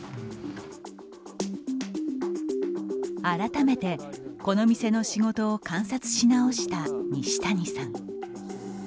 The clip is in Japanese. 改めてこの店の仕事を観察し直した、西谷さん。